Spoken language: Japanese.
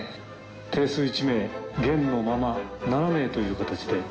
定数１名減のまま７名という形で。